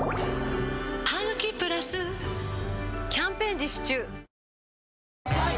「ハグキプラス」キャンペーン実施中鈴木さーん！